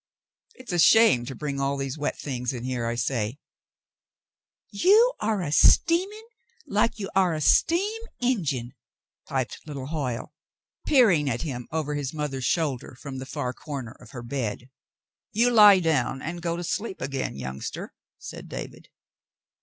It's a shame to bring all these wet things in here, I say !" "You are a steamin' like you are a steam engine," piped little Hoyle, peering at him over his mother's shoulder from the far corner of her bed. "You lie down and go to sleep again, youngster," said David.